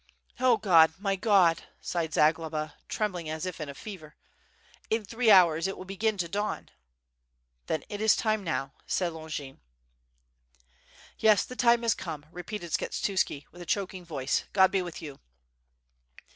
"0 God! my God!" sighed Zagloba, trembling as if in a fever, "in three hours it will begin to dawn." "Then it is time now," said Longin. y^g WITH FIRE AND SWORD, "Yes, the time has come/' repeated Skshetuski, with a choking voice. "God be with you!"